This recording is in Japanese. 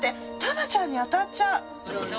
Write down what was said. タマちゃんに当たっちゃう。